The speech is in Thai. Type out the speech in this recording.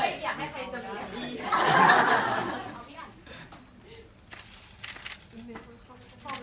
พี่จ๋าของบ้างครับผม